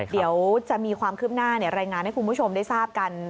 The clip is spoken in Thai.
เดี๋ยวจะมีความคืบหน้ารายงานให้คุณผู้ชมได้ทราบกัน